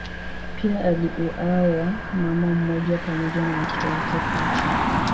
Pia aliuawa mama mmoja pamoja na watoto wake pacha.